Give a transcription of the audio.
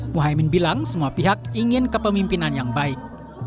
muhaymin bilang semua pihak ingin kepemimpinan yang baik